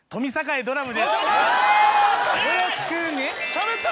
しゃべった！